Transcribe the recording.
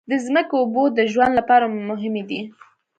د ځمکې اوبو د ژوند لپاره مهمې دي.